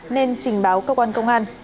nên trình báo cơ quan công an